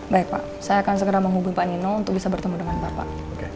baik pak saya akan segera menghubung pak nino untuk bisa bertemu dengan bapak